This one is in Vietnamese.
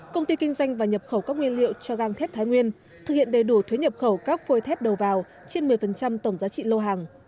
công ty kinh doanh và nhập khẩu các nguyên liệu cho gang thép thái nguyên thực hiện đầy đủ thuế nhập khẩu các phôi thép đầu vào trên một mươi tổng giá trị lô hàng